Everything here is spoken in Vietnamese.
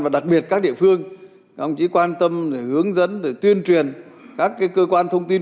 và đặc biệt các địa phương ông chỉ quan tâm hướng dẫn tuyên truyền các cơ quan thông tin